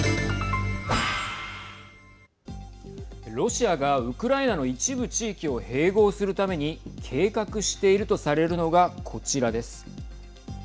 ロシアが、ウクライナの一部地域を併合するために計画しているとされるのがこちらです。